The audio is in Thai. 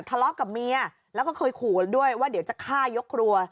ทะเลาะกับเมียแล้วก็เคยขู่กันด้วยว่าเดี๋ยวจะฆ่ายกครัว